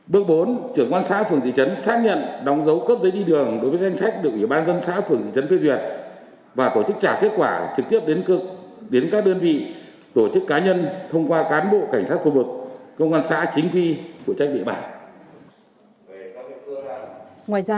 bước bốn trưởng an xã phường thị trấn xác nhận đóng dấu cấp giấy đi đường đối với danh sách được ủy ban dân xã phường thị trấn phê duyệt và tổ chức trả kết quả trực tiếp đến các đơn vị tổ chức cá nhân thông qua cán bộ cảnh sát khu vực công an xã chính quy phụ trách địa bản